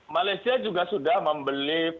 malaysia juga sudah membeli